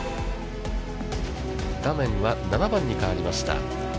画面は７番に変わりました。